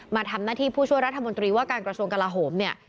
มาทำหน้าที่ผู้ช่วยรัฐมนตรีว่าการกระทรวงกลาโหมเนี่ย